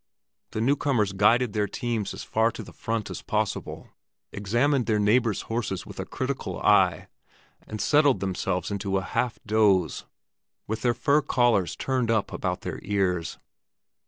The newcomers guided their teams as far to the front as possible, examined their neighbors' horses with a critical eye, and settled themselves into a half doze, with their fur collars turned up about their ears.